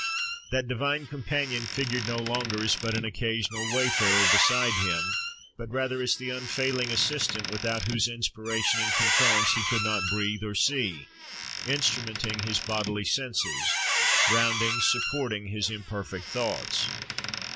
That divine companion figured no longer as but an occasional wayfarer beside him; but rather as the unfailing "assistant," without whose inspiration and concurrence he could not breathe or see, instrumenting his bodily senses, rounding, supporting his imperfect thoughts.